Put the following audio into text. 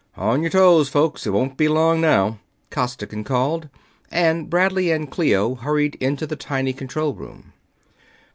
"On your toes, folks it won't be long now!" Costigan called, and Bradley and Clio hurried into the tiny control room.